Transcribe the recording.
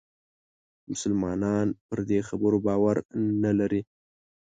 مسلمانان پر دې خبرو باور نه لري.